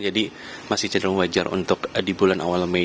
jadi masih cenderung wajar untuk di bulan awal mei